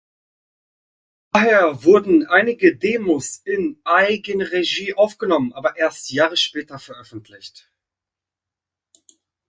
Daher wurden einige Demos in Eigenregie aufgenommen aber erst Jahre später veröffentlicht.